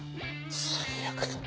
最悪だ。